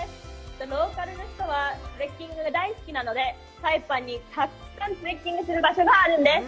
ローカルの人は、トレッキングが大好きなので、サイパンにたくさんトレッキングする場所があるんです。